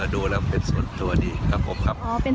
ดูแล้วเป็นส่วนตัวดีครับผมครับ